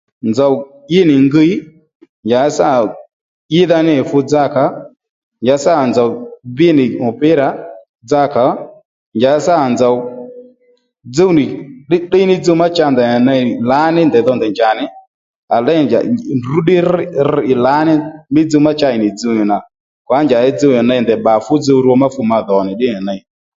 Nzòw í nì ngiy njàddí sâ ídha nî fu dzakǎ njàddí sâ nzòw bbí nì mupira dzakà ó njàddí sâ nzòw dzúw nì ddíyddíy ní dzuw má cha ndèy nì ney lǎní ndèydho ndèy njà nì à lêy ndrǔ ddí rŕ rr ì lǎní mí dzuw ma cha ì nì dzuw nì nà kwan njàddí dzuw nì ney ndèy bbà fú dzuw rwo má fu ma dhò nì ddí nì ney